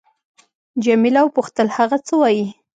جميله وپوښتل: هغه څه وایي؟